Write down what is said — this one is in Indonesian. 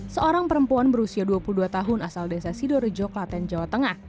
seorang perempuan berusia dua puluh dua tahun asal desa sidorejo klaten jawa tengah